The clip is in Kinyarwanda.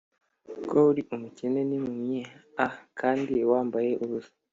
Ko uri umukene n impumyi a kandi wambaye ubusa